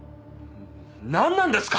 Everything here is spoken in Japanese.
なんなんですか！？